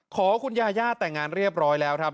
ขอว่าคุณยาย่าแต่งงานเรียบร้อยแล้ว